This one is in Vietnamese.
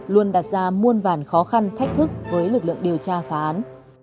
luôn đặt ra muôn vàn khó khăn thách thức với lực lượng điều tra phá án